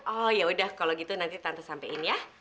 oh ya udah kalau gitu nanti tante sampein ya